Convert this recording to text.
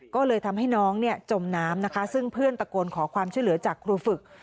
ก็เลยทำให้น้องจมน้ำนะคะซึ่งเพื่อนตะโกนขอความช่วยเหลือจากครูฝึก